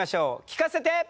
聞かせて！